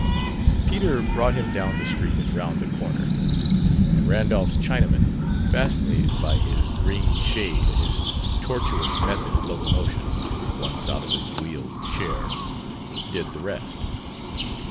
Peter brought him down the street and round the corner; and Randolph's Chinaman, fascinated by his green shade and his tortuous method of locomotion (once out of his wheeled chair), did the rest.